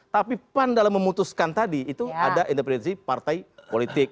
tapi pan dalam memutuskan tadi itu ada intervensi partai politik